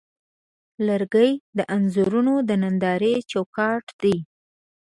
لرګی د انځورونو د نندارې چوکاټ دی.